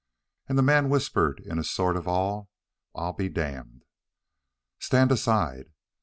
And the man whispered in a sort of awe: "Well, I'll be damned!" "Stand aside!"